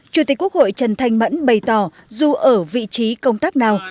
chủ tịch quốc hội trần thanh mẫn bày tỏ dù ở vị trí công tác nào